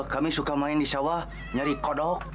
kami suka main di sawah nyari kodok